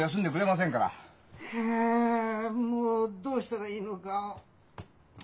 いやもうどうしたらいいのか。